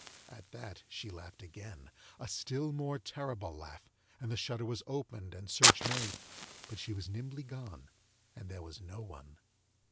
At that, she laughed again, a still more terrible laugh, and the shutter was opened and search made, but she was nimbly gone, and there was no one.